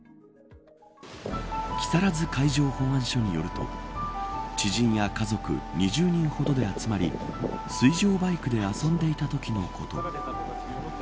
木更津海上保安署によると知人や家族２０人ほどで集まり水上バイクで遊んでいたときのこと。